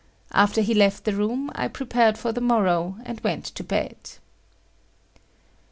After he left the room, I prepared for the morrow and went to bed.